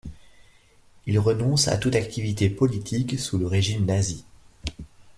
Il renonce à toute activité politique sous le régime nazi.